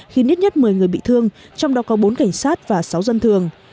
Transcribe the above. khiến ít nhất một mươi người bị thương trong đó có bốn cảnh sát và sáu dân thường